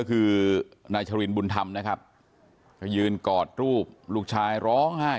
ก็คือนายชรินบุญธรรมนะครับก็ยืนกอดรูปลูกชายร้องไห้